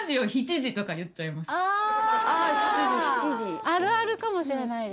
ああるあるかもしれないです